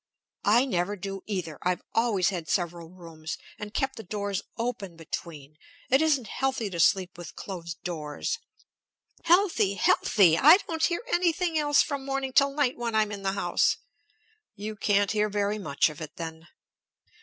"I never do, either. I've always had several rooms, and kept the doors open between. It isn't healthy to sleep with closed doors." "Healthy! Healthy! I don't hear anything else from morning till night when I'm in the house." "You can't hear very much of it, then."